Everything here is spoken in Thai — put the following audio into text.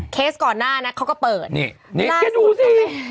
เคสก่อนหน้านะเขาก็เปิดล่าสุดท้ายนี่นี่ดูสิ